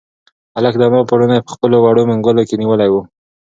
هلک د انا پړونی په خپلو وړو منگولو کې نیولی و.